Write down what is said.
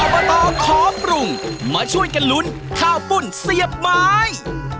บตขอปรุงมาช่วยกันลุ้นข้าวปุ้นเสียบไม้